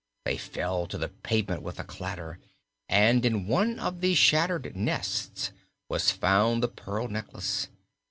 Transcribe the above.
They fell to the pavement with a clatter and in one of the shattered nests was found the pearl necklace.